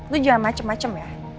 itu jangan macem macem ya